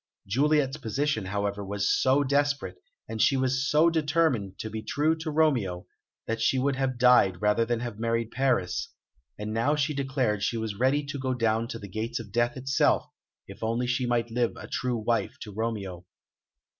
Juliet's position, however, was so desperate, and she was so determined to be true to Romeo, that she would have died rather than have married Paris; and now she declared she was ready to go down to the gates of death itself if only she might live a true wife to Romeo.